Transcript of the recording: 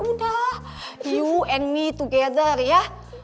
kamu dan aku bersama ya